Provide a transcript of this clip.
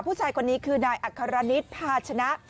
ผู้ชายคนนี้คือนายอัครนิดภาชนะ